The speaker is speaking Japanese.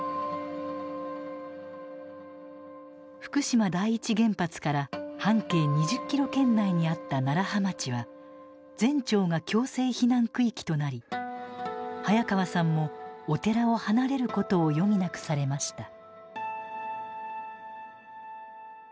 福島第一原発から半径２０キロ圏内にあった楢葉町は全町が強制避難区域となり早川さんもお寺を離れることを余儀なくされました。